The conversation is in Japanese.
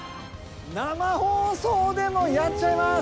生放送でもやっちゃいます。